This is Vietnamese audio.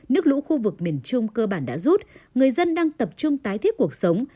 nước lũ khu vực miền trung cơ bản đã rút người dân đang tập trung tái thiết cuộc sống